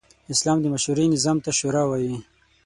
اسلام د مشورې نظام ته “شورا” وايي.